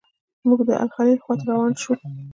موږ د الخلیل خواته روان شوو.